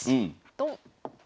ドン。